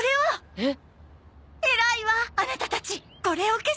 えっ？